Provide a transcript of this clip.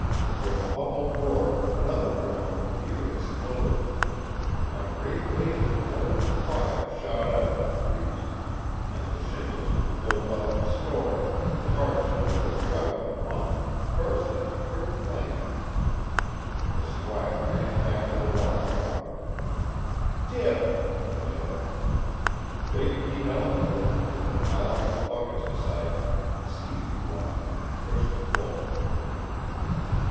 With a muffled roar another drum on the pier exploded. A great wave of molten fire shot out in the breeze, and the shingles on Bill Boughton's store, parched with the drought of a month, burst into quick flame. The squire ran back to the water trough. "Dip!" he yelled. Big Pete Ellinwood, with the piles of buckets beside him, seized one and twitched it full.